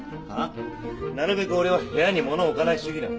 なるべく俺は部屋にものを置かない主義なんだ。